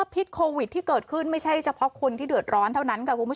ผิดโควิดที่เกิดขึ้นไม่ใช่เพราะคนเดือดร้อนเท่านั้น